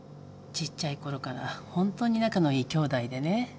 ちっちゃい頃から本当に仲の良い兄弟でね。